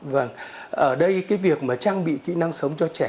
vâng ở đây cái việc mà trang bị kỹ năng sống cho trẻ